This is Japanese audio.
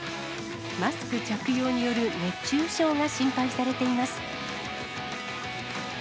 マスク着用による熱中症が心配されています。